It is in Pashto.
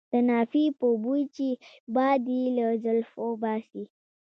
د نافې په بوی چې باد یې له زلفو وباسي.